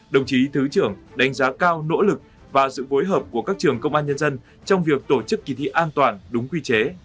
đồng chí thứ trưởng đánh giá cao nỗ lực và sự phối hợp của các trường công an nhân dân trong việc tổ chức kỳ thi an toàn đúng quy chế